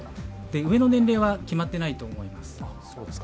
上の年齢は決まっていないと思います。